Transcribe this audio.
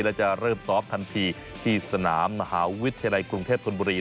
และจะเริ่มซ้อมทันทีที่สนามมหาวิทยาลัยกรุงเทพธนบุรี